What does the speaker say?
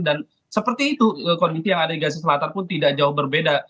dan seperti itu kondisi yang ada di gaza selatan pun tidak jauh berbeda